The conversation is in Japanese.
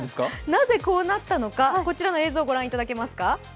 なぜこうなったのかこちらの映像ご覧いただけますか。